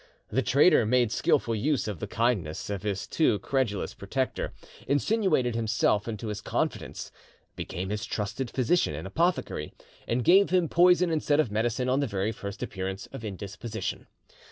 The traitor made skilful use of the kindness of his too credulous protector, insinuated himself into his confidence, became his trusted physician and apothecary, and gave him poison instead of medicine on the very first appearance of indisposition.